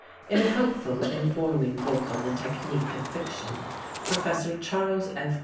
In a helpful, informing book on the technique of fiction, Professor Charles F.